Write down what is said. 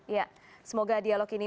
iya semoga dialog ini